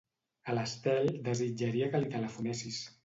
A l'Estel, desitjaria que li telefonessis.